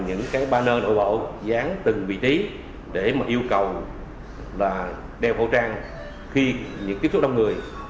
những banner nội bộ dán từng vị trí để yêu cầu đeo khẩu trang khi tiếp xúc đông người